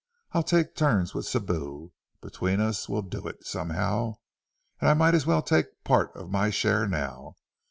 "I'll take turns with Sibou. Between us we'll do it, somehow. And I might as well take part of my share now.